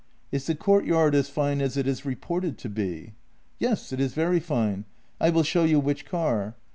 " Is the courtyard as fine as it is reported to be? "" Yes; it is very fine. I wall show you which car."